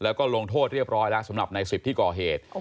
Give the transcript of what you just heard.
แล้วก็ลงโทษเรียบร้อยแล้วสำหรับใน๑๐ที่ก่อเหตุ